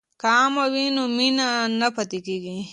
که عمه وي نو مینه نه پاتیږي.